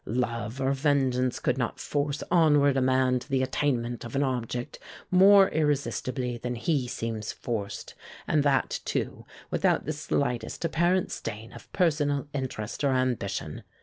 Love or vengeance could not force onward a man to the attainment of an object more irresistibly than he seems forced, and that, too, without the slightest apparent stain of personal interest or ambition.